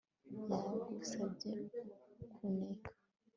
Yagusabye kuneka